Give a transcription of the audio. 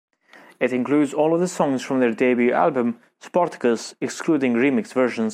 It includes all of the songs from their debut album, "Spartacus", excluding remix versions.